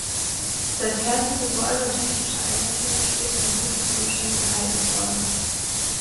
Seither sind Gebäude und technische Einrichtungen stets in gutem Zustand gehalten worden.